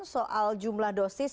soal jumlah dosis